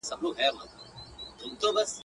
خپل وېښته وینم پنبه غوندي ځلیږي.